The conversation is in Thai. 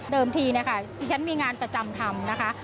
เดิมทีนะคะที่ฉันมีงานประจำทำนะคะ